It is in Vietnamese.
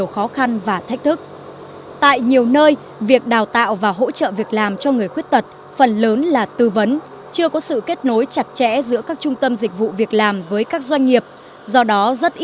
không làm được không làm được